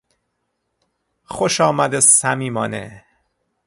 خوشآمد صمیمانه